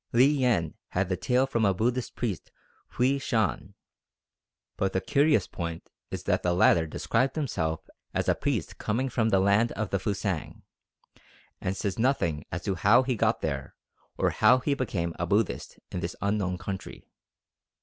Li Yen had the tale from a Buddhist priest Hwui Shan; but the curious point is that the latter described himself as a priest coming from the "Land of the Fusang," and says nothing as to how he got there, or how he became a Buddhist in this unknown country.